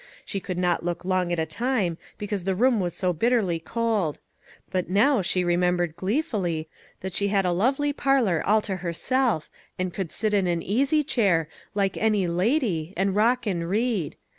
She could not look long at a time, because the room was so bitterly cold; but now she remembered gleefully that she had a lovely parlor all to her self, and could sit in an easy chair, like any lady, and rock and read.